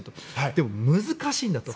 でも、難しいんだと。